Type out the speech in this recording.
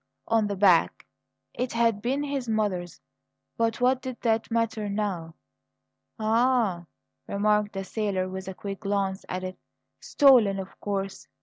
on the back. It had been his mother's but what did that matter now? "Ah!" remarked the sailor with a quick glance at it. "Stolen, of course!